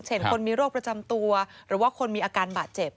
คนมีโรคประจำตัวหรือว่าคนมีอาการบาดเจ็บ